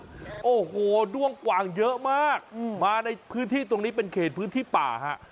ของมันนะอโและโหวด้วงกว่างเยอะมากมาในพื้นที่ตรงนี้เป็นเกรจพื้นที่ป่าฮะ